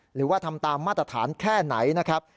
หรือว่าทำตามมาตรฐานแค่ไหนนะครับ